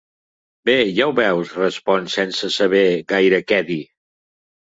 Bé, ja ho veus —respon, sense saber gaire què dir—.